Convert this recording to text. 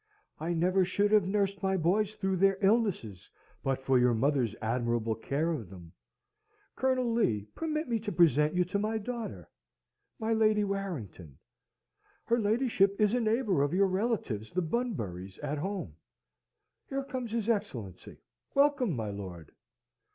"I never should have nursed my boys through their illnesses but for your mother's admirable care of them. Colonel Lee, permit me to present you to my daughter, my Lady Warrington. Her ladyship is a neighbour of your relatives the Bunburys at home. Here comes his Excellency. Welcome, my lord!"